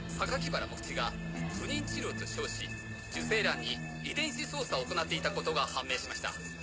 原茂吉が不妊治療と称し受精卵に遺伝子操作を行っていたことが判明しました。